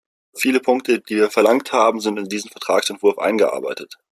Viele Punkte, die wir verlangt haben, sind in diesen Vertragsentwurf eingearbeitet.